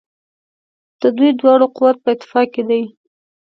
د دوی دواړو قوت په اتفاق کې دی.